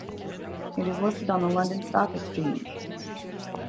It is listed on the London Stock Exchange.